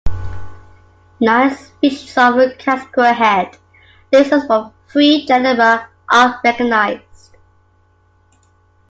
Nine species of casquehead lizards from three genera are recognized.